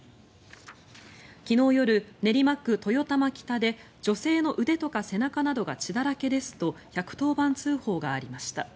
昨日夜、練馬区豊玉北で女性の腕とか背中などが血だらけですと１１０番通報がありました。